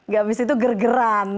gak habis itu ger geran